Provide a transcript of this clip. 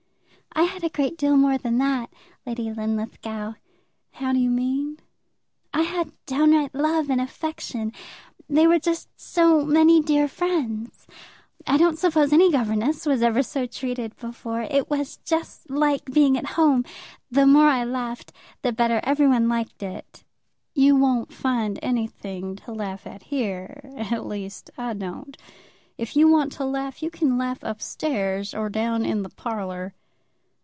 "I had a great deal more than that, Lady Linlithgow." "How do you mean?" "I had downright love and affection. They were just so many dear friends. I don't suppose any governess was ever so treated before. It was just like being at home. The more I laughed, the better every one liked it." "You won't find anything to laugh at here; at least, I don't. If you want to laugh, you can laugh up stairs, or down in the parlour."